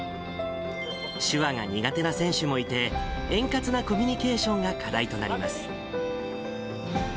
手話が苦手な選手もいて、円滑なコミュニケーションが課題となります。